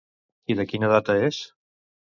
I de quina data és?